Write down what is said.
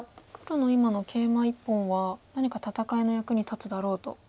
黒の今のケイマ１本は何か戦いの役に立つだろうと。